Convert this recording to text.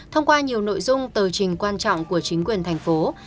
thông qua nhiều nội dung tờ trình quan trọng của chính quyền tp hcm